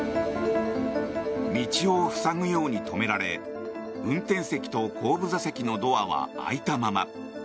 道を塞ぐように止められ運転席と後部座席のドアは開いたまま。